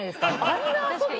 あんな遊び。